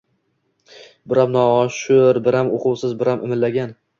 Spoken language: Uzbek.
Biram noshud, biram uquvsiz, biram imillagan